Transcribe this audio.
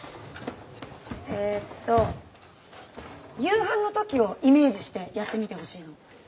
えーっと夕飯の時をイメージしてやってみてほしいの。